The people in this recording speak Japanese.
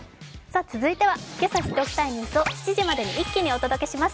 続いてはけさ知っておきたいニュースを７時まで一気にお届けします